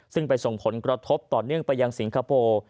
ซึ่งไปส่งผลกระทบต่อเนื่องไปยังสิงคโปร์